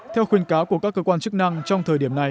theo khuyên cáo của các cơ quan chức năng trong thời điểm này